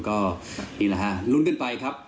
ก็นี่แหละฮะลุ้นกันไปครับ